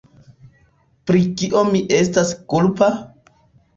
Pri kio mi estas kulpa?